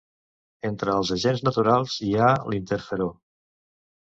Entre els agents naturals hi ha l'interferó.